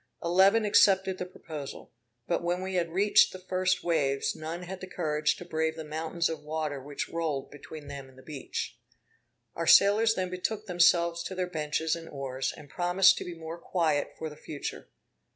Eleven accepted the proposal; but when we had reached the first waves, none had the courage to brave the mountains of water which rolled between them and the beach. Our sailors then betook themselves to their benches and oars, and promised to be more quiet for the future.